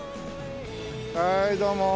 はいどうも。